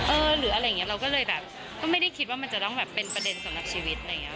หรืออะไรอย่างนี้เราก็เลยแบบก็ไม่ได้คิดว่ามันจะต้องแบบเป็นประเด็นสำหรับชีวิตอะไรอย่างนี้